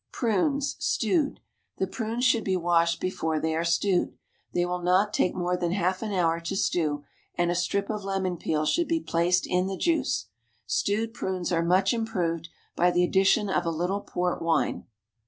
PRUNES, STEWED. The prunes should be washed before they are stewed. They will not take more than half an hour to stew, and a strip of lemon peel should be placed in the juice. Stewed prunes are much improved by the addition of a little port wine.